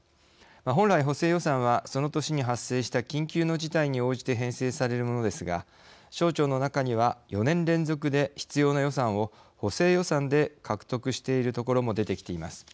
本来、補正予算はその年に発生した緊急の事態に応じて編成されるものですが省庁の中には４年連続で必要な予算を補正予算で獲得しているところも出てきています。